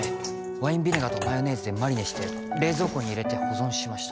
ワインビネガーとマヨネーズでマリネして冷蔵庫に入れて保存しました